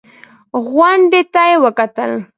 غونډۍ ته يې وکتل.